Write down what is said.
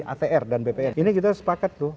atr dan bpn ini kita sepakat tuh